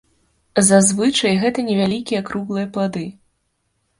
Зазвычай гэта невялікія круглыя плады.